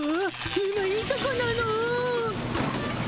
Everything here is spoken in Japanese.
今いいとこなの。